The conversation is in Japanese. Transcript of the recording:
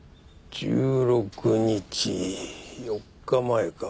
１６日４日前か。